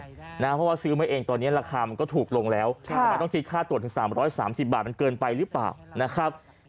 เพราะว่าซื้อมาเองตอนนี้ราคามันก็ถูกลงแล้วทำไมต้องคิดค่าตรวจถึง๓๓๐บาทมันเกินไปหรือเปล่านะครับ